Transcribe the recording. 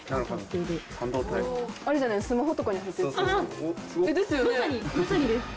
あれじゃない？ですよね？